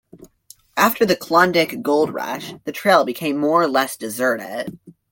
After the Klondike Gold Rush, the trail became more or less deserted.